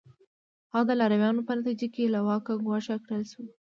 هغه د لاریونونو په نتیجه کې له واکه ګوښه کړل شو.